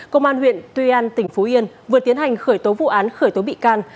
công an huyện tuy an tỉnh phú yên vừa tiến hành khởi tố vụ án khởi tố bị can